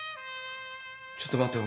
ちょっと待て。